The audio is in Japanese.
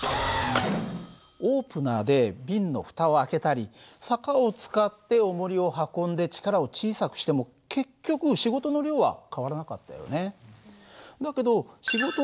オープナーで瓶の蓋を開けたり坂を使っておもりを運んで力を小さくしても結局仕事の量は変わらなかったよね。